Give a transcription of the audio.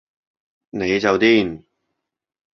你就癲